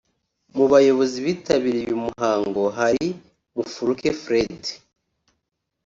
Mu bayobozi bitabiriye uyu muhango hari Mufuruke Fred